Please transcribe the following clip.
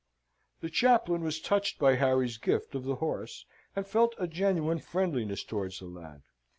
The chaplain was touched by Harry's gift of the horse; and felt a genuine friendliness towards the lad.